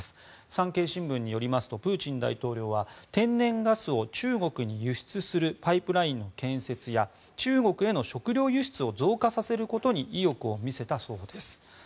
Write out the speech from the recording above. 産経新聞によりますとプーチン大統領は天然ガスを中国に輸出するパイプラインの建設や中国への食糧輸出を増加させることに意欲を見せたそうです。